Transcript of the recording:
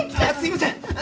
ああすいません！